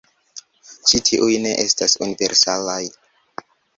Ĉi tiuj ne estas universalaj.